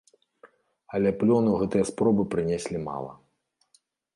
Але плёну гэтыя спробы прынеслі мала.